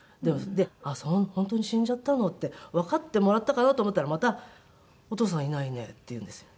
で「本当に死んじゃったの」ってわかってもらったかな？と思ったらまた「お父さんいないね」って言うんですよ。